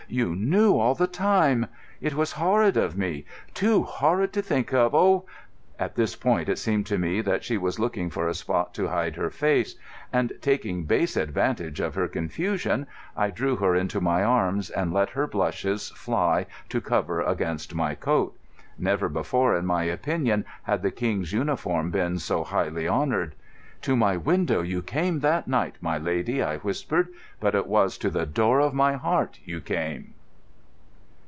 "You knew all the time? It was horrid of me—too horrid to think of. Oh——" At this point it seemed to me that she was looking for a spot to hide her face, and, taking base advantage of her confusion, I drew her into my arms and let her blushes fly to cover against my coat. Never before, in my opinion, had the King's uniform been so highly honoured. "To my window you came that night, my lady," I whispered, "but it was to the door of my heart you came."